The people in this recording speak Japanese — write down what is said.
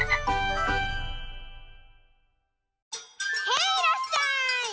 へいらっしゃい！